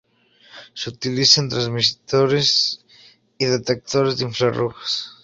Se utiliza en transistores y detectores de infrarrojos.